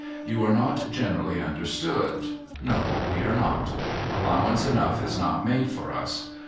We are not generally understood. No, wc are not. Allowance enough is not made for us.